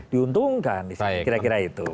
diuntungkan kira kira itu